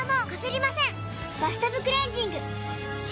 「バスタブクレンジング」！